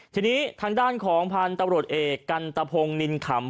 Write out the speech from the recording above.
ทีนี้ทางด้านของพันธุ์ตำรวจเอกกันตะพงนินขำ